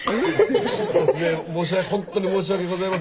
突然本当に申し訳ございません。